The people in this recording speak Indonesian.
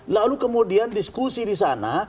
lalu kemudian diskusi di sana